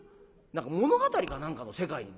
何か物語か何かの世界に」。